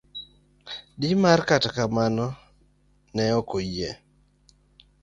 D. mar Kata kamano, ne ok oyie.